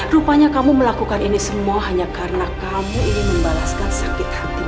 rupanya kamu melakukan ini semua hanya karena kamu ingin membalaskan sakit hati